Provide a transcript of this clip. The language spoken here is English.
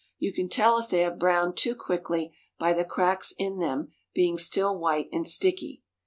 You can tell if they have browned too quickly by the cracks in them being still white and sticky.